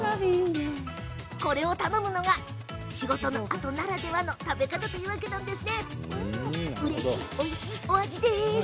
これを頼むのが仕事のあとならではの食べ方というわけです。